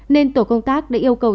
nên tổ công tác đã yêu cầu